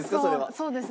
そうですね。